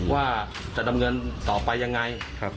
ว่าจะดำเนินต่อไปยังไง